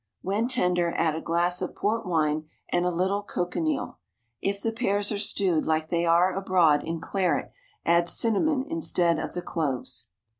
When tender add a glass of port wine and a little cochineal. If the pears are stewed, like they are abroad, in claret, add cinnamon instead of the cloves.